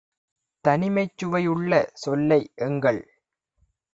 தனிமைச் சுவையுள்ள சொல்லை - எங்கள்